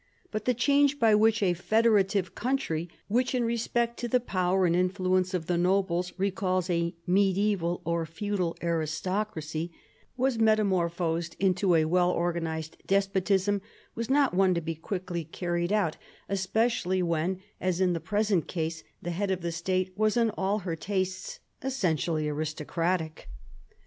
But the change by which a federative country, which in respect to the power and influence of the nobles recalls a medieval or feudal aristocracy, was metamorphosed into a well organised despotism was not one to be quickly carried out, especially when, as in the present case, the head of the State was in all her tastes essentially aristocratic.